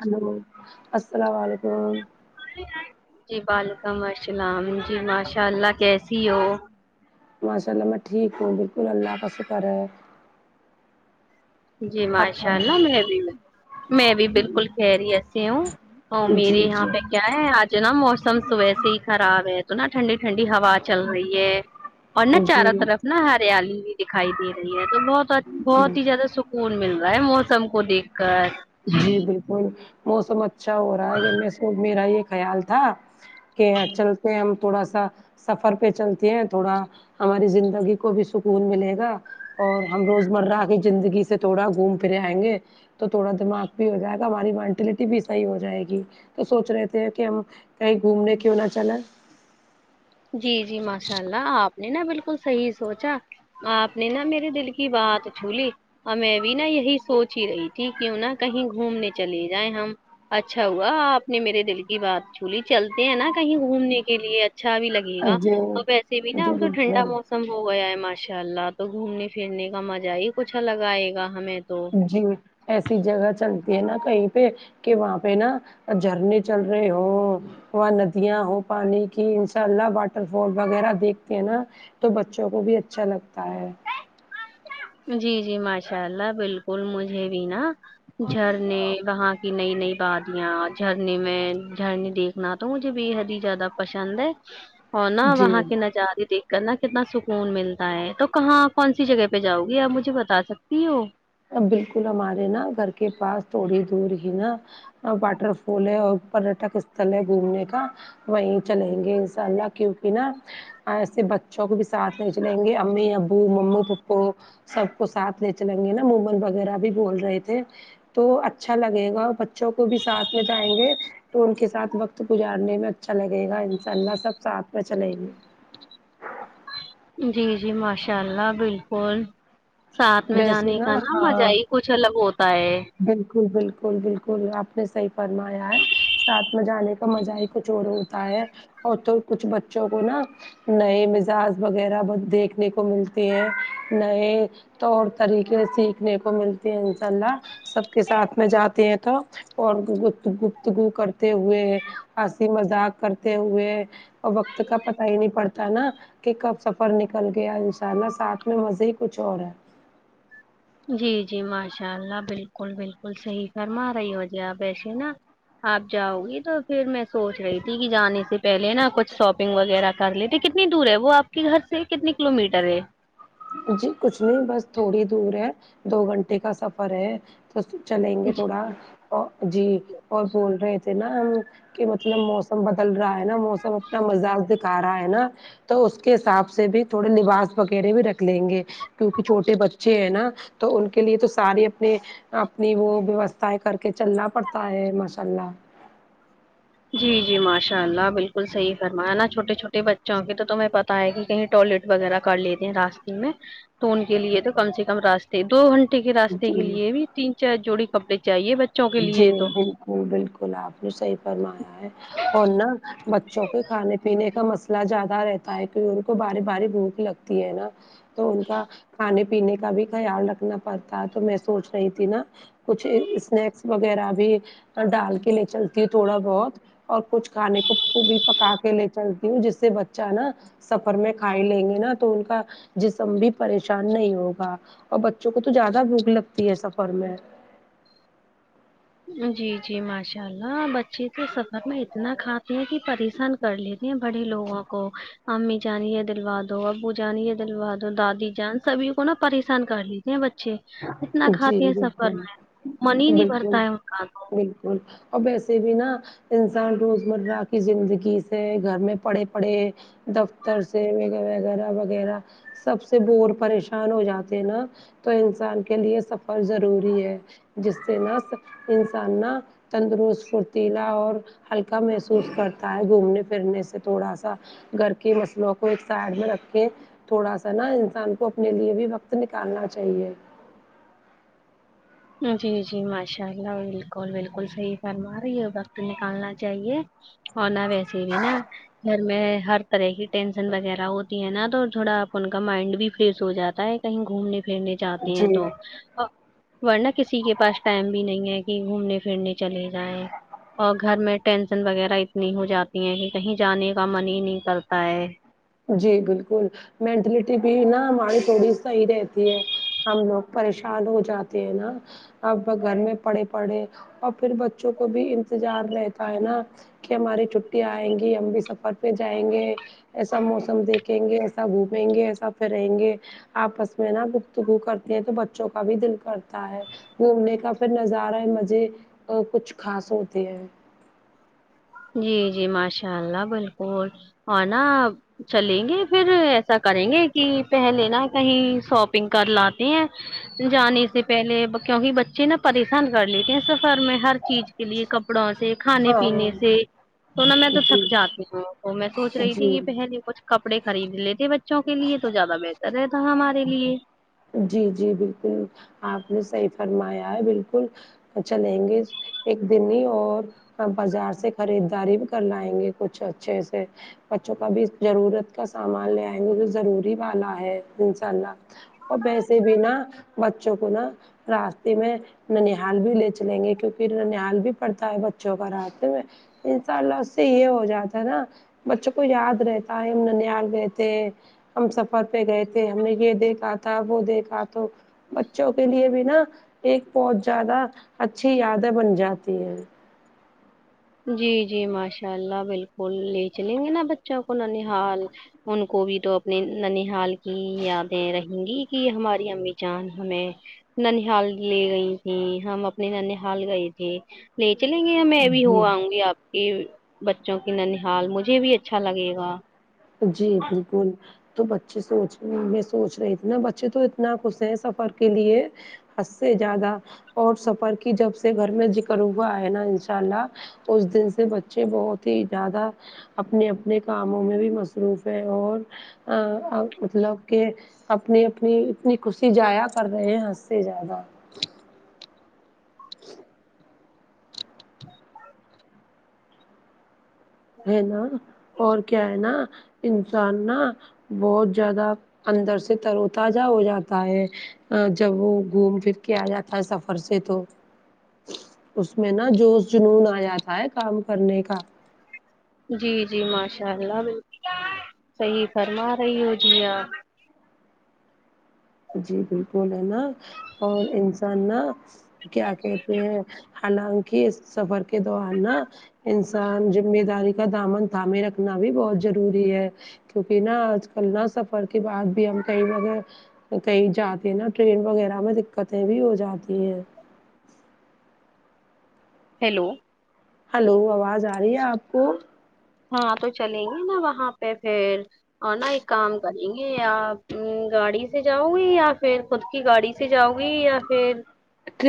Hello السلام علیکم جی ولیکم السلام جی ماشاء اللہ کیسی ہو ماشاء میں ٹھیک ہوں بلکول اللہ کا شکر ہے جی آپ ماشاء اللہ فرمائیں۔ میرے میں بھی بالکل خیریت سے ہوں اور جی میری یہاں پہ جی کیا ہے آج جو نہ موسم صبح سے ہی خراب ہے تو نہ ٹھنڈی ٹھنڈی ہوا چل رہی ہے اور نا چاروں جی طرف نہ ہریالی بھی دکھائی دے رہی ہے تو بہت بہت جی ہی زیادہ س سکون مل رہا ہے موسم کو دیکھ کر جی بالکل موسم اچھا ہو رہا ہے میں میرا یہ خیال تھا کہ چلتے ہیں ہم تھوڑا سا سفر پہ چلتی ہیں تھوڑا ہماری زندگی کو بھی سکون ملے گا اور ہم روزمرہ کی زندگی سے تھوڑا گھوم پھرے آئیں گے تو تھوڑا دماغ بھی ہو جائے گا ہماری مینٹیلٹی بھی صحیح ہو جائے گی تو سوچ رہے تھے کہ ہم کہیں گھومنے کیوں نہ چلا جی جی ماشاء اللہ آپ نے نا بالکل صحیح سوچا آپ نے نہ میرے دل کی بات چھو لی اور میں بھی نا یہی سوچ ہی رہی تھی کیوں نہا کہیں گھومنے چلے جائیں ہم اچھا ہوا آپ نے میرے دل کی بات چھولی چلتے ہیں نا کہیں گھومنے کے لیے اچھا بھی لگے گا جی اور ویسے بھی نہ جی تو ٹنڈا بالکل موسم ختم ہو گیا ہے ماشاء اللہ تو گھومنے پھرنے کا مزہ ہی کچھ لگ آئے گا ہمیں تو جی ایسی جگہ چلتے ہے نا کہیں پہ کے وہا پے نہ جھاڑنے چل رہے ہو وہا ندیاں ہو پانی کی انشاء اللہ واٹر فال وغیرہ دیکھتے ہیں نا تو بچوں کو بھی اچھا لگتا ہے جی جی ماشاء اللہ بالکل مجھے بھی نا جھرنے وہاں کہ نئی نئی بادیاں جھرنے میں جھرنے دیکھنا تو مجھے بے حد ہی زیادہ پسند ہے ہونا جی وہاں کے نظارے دیکھ کرنا کتنا سکون ملتا ہے تو کہاں کون سی جگہ پہ جاؤ گی آپ مجھے بتا سکتی ہو بالکل ہمارے نا گھر کے پاس تھوڑی دور ہی نا واٹر فال ہے اور پریٹک استل ہے گھومنے کا وہیں چلیں گے انساء اللہ کیوکی نہ ایسے بچوں کو بھی ساتھ لے چلیں گے امی ابو ممی پپو سب کو ساتھ لے چلیں گے نہ ویمن وغیرہ بھی بول رہے تھے تو اچھا لگے گا اور بچوں کو بھی ساتھ میں جائیں گے تو ان کے ساتھ وقت گزارنے میں اچھا لگے گا ان شاء اللہ سب ساتھ میں چلیں گے جی جی ماشاء اللہ بالکل ساتھ میں ویسے جانے کا نا مزہ ہاں ہی کچھ الگ ہوتا ہے بالکل بالکل بالکل آپ نے صحی فرمایا ہے ساتھ میں جانے کا مزہ ہی کچھ اور ہوتا ہے اور تو کچھ بچوں کو نا نئے مزاج وغیرہ دیکھنے کو ملتی ہے نئے طور طریقے سیکھنے کو ملتے ہیں انشاء اللہ سب کے ساتھ میں جاتے ہے تو اور گفتگو کرتے ہوۓ ہسی مذاق کرتے ہوئے اور وقت کا پتا ہی نہیں پڑتا نا کہ کب سفر نکل گیا ان شاء اللہ ساتھ میں مزے ہی کچھ اور ہے جی جی ماشاء اللہ بالکل بالکل صحیح فرما رہی ہو جی آپ ایسے نا آپ جاؤ گی تو پھر میں سوچ رہی تھی کہ جانے سے پہلے نا کچھ شاپنگ وغیرہ کر لیتے کتنی دور ہے وہ آپ کے گھر سے کتنی کلو میٹر ہے جی کچھ نہیں بس تھوڑی دور ہے دو گھنٹے کا سفر ہے تو چلیں گے تھوڑا اور جی اور بول رہے تھے نا ہم کہ مطلب موسم بدل رہا ہے نا موسم اپنا مزاج دکھا رہا ہے نا تو اس کے حساب سے بھی تھوڑے لباس وغیرہ بھی رکھ لیں گے کیونکہ چھوٹے بچے ہیں نا تو ان کے لیے تو سار اپنے اپنی وہ ویوستھائیں کر کے چلنا پڑتا ہے ماشاء اللہ جی جی ماشاء اللہ بالکل صحیح فرمایا نا چوٹے چھوٹے بچوں کے تو تم پ تا ہے کہیں ٹوائلٹ وغیرہ کر لیتے ہیں راستے میں تو ان کے لیے تو کم سے کم راستے دو گھنٹے کے راستے کے جی لیے بھی تین چار جوڑی کپڑے چاہیے بچے جی بالکل بالکل آپ نے سحی فرمایا ہے اور نہ بچوں کے کھانے پینے کا مسئلہ زیادہ رہتا ہے کیکہ ان کو باری باری بھوک لگتی ہے نا تو ان کا کھانے پے پینے کا بھی خیال رکھنا پڑتا ہے تو میں سوچ رہی تھی نا کچھ اسنیکس وغیرہ بھی ڈال کے لے چلتی ہے تھوڑا بہت اور کچھ کھانے کو بھی پکا کے لے چلتی ہوں جس سے بچہ نا سفر میں کھائی لیں گے نا تو ان کا جسم بھی پریشان نہیں ہوگا اور بچوں کو تو زیادہ بوک لگتی ہے سفر میں جی جی ماشاء اللہ بچے کے سفر میں اتنا کھاتے ہیں کہ پریشان کر لیتے ہیں بڑے لوگوں کو امی جان یے دلوادو ابو جان یے دلوادو دادی جان سبھی کو نا پریشان کر لیتے ہیں بچے اتنا جی کھاتے ہیں سفر بالکل میں من ہی نہیں بھرتا بالکل ہے ان کا تو بالکل اور ویسے بھی نہا انسان روزمرہ کی زندگی سے گھر میں پڑے پڑھے دفتر سے وغیرہ وغیرہ سب سے بور پریشان ہو جاتے نا تو انسان کے لیے سفر ضروری ہے جس سے نس انسان نا تندرست فھرتیلا اور ہلکا محسوس کرتا ہے گھومنے پھرنے سے تھوڑا سا گھر کی مسلوں کو ایک سائڈ میں رکھ کے تھوڑا سا نا انسان کو اپنے لیے بھی وقت نکالنا چاہیے جی جی ماشاء اللہ بالکل بالکل صحیح فرما رہی ہے وقت نکالنا چاہیے ہونا ویسے بھی نا گھر میں ہر طرح کی ٹینشن وغیرہ ہوتی ہے نا تو تھوڑا ان کا مائنڈ بھی فریش ہو جاتا ہے کہیں گھومنے پھرنے جاتی ہیں تو ورنہ کسی کے پاس ٹائم بھی نہیں ہے کہ گھومنے پھرنے چلے جائیں اور گھر میں ٹینسن وغیرہ اتنی ہو جاتی ہیں کہ کہیں جانے کا من ہی نہیں کرتا ہے جی بالکل مینٹلٹی بھی نا ہماری تھوڑی صحیح رہتی ہے ہم لوگ پریشان ہو جاتے ہیں نا اب گھر میں پڑھے پڑھے اور پھر بچوں کو بھی انتظار رہتا ہے نا کہ ہماری چھٹی آئیں گی ہم بھی سفر پہ جائیں گے ایسے ایسا موسم دیکھیں گے ایسا گھومیں گے ایسا پھریں گے آپس میں نا گفتگو کرتی ہے تو بچوں کا بھی دل کرتا ہے گھومنے کا پھر نظارہ ہے مزے کچھ خاص ہوتے ہیں جی جی ماشاء اللہ بالکل اور نا چلیں گے پھر ایسا کریں گے کہ پہلے نا کہیں شاپنگ کر لاتے ہیں جانے سے پہلے کیونکہ بچے نا پریشان کر لیتے ہیں سفر میں ہر چیز کے لیے کپڑوں سے کھانے ہاں پینے سے تو نہ میں توب تک جی جاتی ہوں تو میں سوچ رہی تھی جی یہ پہلے کچھ کپڑے خرید لیتے بچوں کے لیے تو زیادہ بہتر رہتا ہمارے لیے جی جی بالکل آپ نے صحیح فرمایا ہے بالکل چلیں گے ایک دن ہی اور بازار سے خریدداری بھی کر لائیں گے کچھ اچھے سے بچوں کا بھی ضرورت کا سامان لے آئیں گے تو ضروری والا ہے انشاء اللہ اور پیسے بھینا بچوں کو نہا راستے میں ننحال بھی لے چلیں گے کیونکہ ننحال بھی پڑتا ہے بچوں کا راستے میں انساء اللہ اس سے یہ ہو جاتا ہے نا بچوں کو یاد رہتا ہے ہم ننیاال گئے تھ ہیں ہم سفر پہ گئے تھے ہم نے یہ دیکھا تھا وہ دیکھا تو بچوں کے لیے بھی نا ایک بہت زیادہ اچھی یادیں بن جاتی ہے جی جی ماشاء اللہ بالکل لے چلیں گے نا بچوں کو نہ نہال ان کو بھی تو اپنی ننحال کی یادیں رہی گی کہ ہماری امی جان ہمیں ننحال لے گئی تھی ہم اپنے ننحال گئے تھے لے چلیں گے ہمیں ا بھیھی جی ہوا گ آپ کے بچوں کی ننحال مجھے بھی اچھا لگے گا جی بالکل تو بچے سوچ رہ میں سوچ رہی تھی نا بچے تو اتنا خوش ہیں سفر کے لیے حد سے زیادہ اور سفر کی جب سے گھر میں ذکر ہوا ہے نا انشاء اللہ اس دن سے بچے بہت ہی زیادہ اپنے اپنے کاموں میں بھی مس مصروف ہے اور مطلب کہ اپنی اپنی اتنی خوشی جایا کر رہے ہیں ہنس سے زیادہ ہے نا اور کیا ہے نا انسان نا بہت زیادہ اندر سے ترو تجہ ہو جاتا ہے ہاں جب وہ گھوم پھر کے آجاتا ہے سفر سے تو اس میں نا جوش جنون آیا جاتا ہے کام کرنے کا جی جی ماشاء اللہ بالکل صحیح فرما رہی ہو جی آپ جی بالکل ہے نا اور انسان نا کیا کہتے ہیں حالانکہ اس سفر کے دوران نا انسان جمہ داری کا دامن تھامے رکھنا بھی بہت ضروری ہے کیونکہ نا آج کل نہ سفر کے بعد بھی ہم کہیں نا کہی کہی جاتے ہیں نا ٹرین وغیرہ میں دقتیں بھی ہو جاتی ہیں ہیلو ہلو آواز آرہی ہےآپ کو ہاں تو چلیں گی نا وہاں پہ پھر اور نا ایک کام کریں گےیا پھر آپ گاڑی سے جاؤ گی یا فر خود کی گاڑی سے جاؤں گی یا فر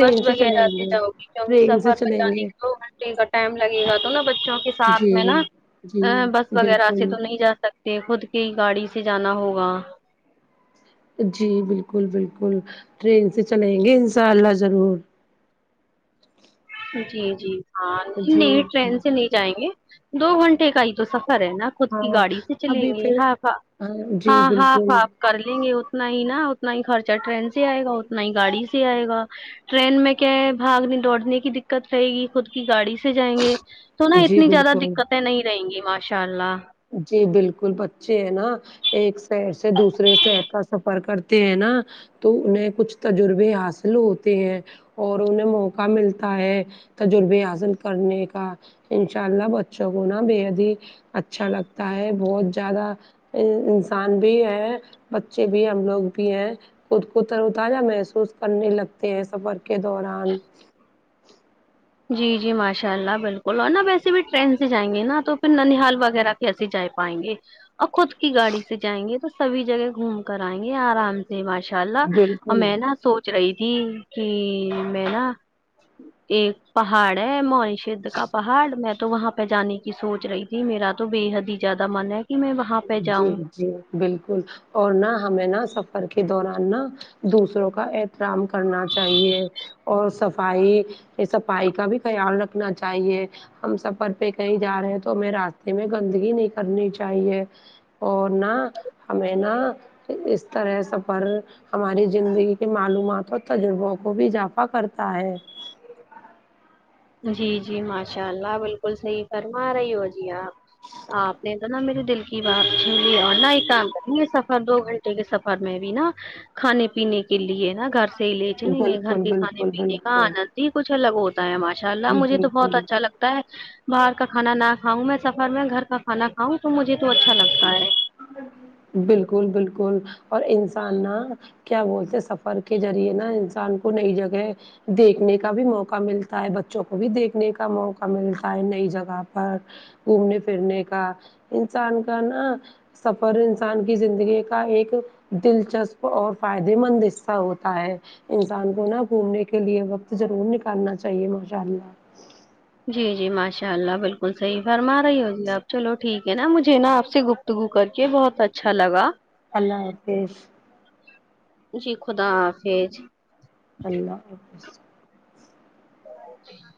بس چلیں وغیرہ سے گے جاؤ گی کیونکہ ٹرین سے سفر چلیں بچانے گے کےدو گھنٹے سٹےکا ٹائم لگے گا تو نا بچوں کے ساتھ جی میں نا جی ہاں بس وغیرہ سے بالکل تو نہیں جا سکتے خود کی گاڑی سے جانا ہوگا جی بالکل بالکل ٹرین سے چلیں گے انشاء اللہ ضرور جی جی ہاں جی نہیں ٹرین سے نہیں جائیں گے دو گھنٹے کا ہی تو سفر ہے نا خود کی ہاں گاڑی سے چلیں ابھی گے پھر ہاں ہا جی ہاں ہاں بالکل ہا کر لیں گے اتنا ہی نا اتنا ہی خرچہ ٹرین سے آئیگا نئی گاڑی سے آئیگا ٹرین میں کیا ہے بھاگنے دوڑنے کی دقت رہئیگی خود کی گاڑی سے جائیں گے تو نا جی اتنی زیادہ بالکل دقت سے نہیں رہیں گی ماشاء اللہ جی بالکل بچے ہے نا ایک شہر سے دوسرے شہر کا سفر کرتے ہیں نا تو نئے کچھ تجربے حاصل ہوتے ہیں اور انھیں موقع ملتا ہے تجربے حاصل کرنے کا انشاء اللہ بچوں کو نا بےحد ہی اچھا لگتا ہے بہت شیادہ ان انسان بھی ہے بچے بھی ہم لوگ بھی ہیں خود کو ترو تازہ محسوس کرنے لگتے ہیں سفر کے دوران جی جی ماشاء اللہ بالکل اور نا ویسے بھی ٹرین سے جائیں گے نا تو پھر ننیال وغیرہ کہ کیسے جا پائیں گے اور خود کی گاڑی سے جائیں گے تو سبھی جگہ گھوم کر آئیں گے آرام سے ماشا ان شاء اللہ بالکل میں نا سوچ رہی تھی کی میں نا ایک پہاڑ ہے موھشائد کا پہاڑ میں تو وہاں پہ جانے کی سوچ رہی تھی میرا تو بے حد ہی زیادہ من ہے کہ میں وہاں پہ جی جاؤں جی بالکل اور نہ ہمیں نا سفر کے دوران نا دوسروں کا احترام کرنا چائیے اور صفائی صفائی کا بھی خیال رکھنا چاہیے ہم سفر پہ کہیں جا رہے ہیں تو ہمیں راستے میں گندگی نہیں کرنی چاہیے اور نا ہمیں نا اس طرح سفر ہماری زندگی کے معلومات اور تجربوں کو بھی اضافہ کرتا ہے جی جی ماشاء اللہ بالکل صحیح فرما رہی ہو جی آپ آپ نے تو نا میرے دل کہ باتپ جلی اور نہ ایک کام کریں گے سفر دو گھنٹے کے سفر میں بھی نا کھانے پینے کے لیے نا گھر سے ہی لے چل گے گھر بالکل کے کھانے بالکل پینے کا بالکل آنند ہی کچھ الگ ہوتا ہے ماشاء اللہ مجھے تو بہت بالکل اچھا لگت لکتا باہر کا کھانا نہ کھاؤں میں سفر میں گھر کا کھانا کاؤں تو مجھے تو اچھا لگتا ہے بالکل بالکل اور انسان نہ کیا بولتے سفر کے ذریعے نا انسان کو نئی جگہ دیکھنے کا بھی موقع ملتا ہے بچوں کو بھی دیکھنے کا موقع ملتا ہے نئی جگہ پر گھومنے پھرنے کا انسان کا نا پر انسان کی زندگی کا ایک دلچسپ اور فائدے مند حصہ ہوتا ہے انسان کو نہ گھومنے کے لیے وقت ضرور نکالنا چاہیے ماشاء اللہ جی جی ماشاء اللہ بالکل صحیح فرما رہی ہو جی آپ چلو ٹھیک ہے نا مجھے نا آپ سے گفت گو کر کے بہت اچھا لگا اللہ حافظ جی خدا حافظ اللہ حافظ جی ہاں